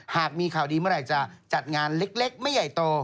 หากมีข่าวดีเมื่อไหร่จะจัดงานเล็กไม่ใหญ่โต